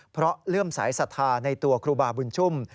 เพราะเลื่อมสายศรัทธาในตัวครูบาบุญชุ่ม